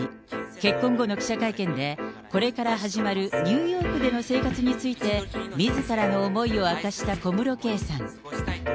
結婚後の記者会見で、これから始まるニューヨークでの生活について、みずからの思いを明かした小室圭さん。